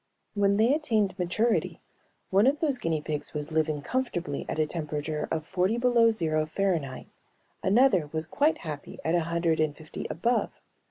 When they attained maturity one of those guinea pigs was living comfortably at a temperature of forty below zero Fahrenheit, another was quite happy at a hundred and fifty above.